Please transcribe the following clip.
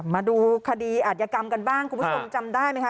มาดูคดีอาจยกรรมกันบ้างคุณผู้ชมจำได้ไหมคะ